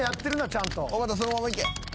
おばたそのままいけ。